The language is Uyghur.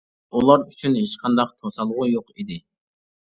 ئۇلار ئۈچۈن ھېچقانداق توسالغۇ يوق ئىدى.